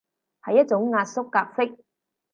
係一種壓縮格式